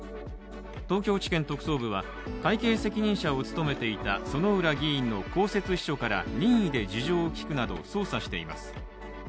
東京地検特捜部は、会計責任者を務めていた薗浦議員の公設秘書から任意で事情を聴くなど、捜査しています。